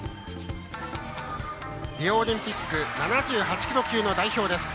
リオオリンピック７８キロ級の代表です。